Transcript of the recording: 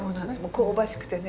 香ばしくてね。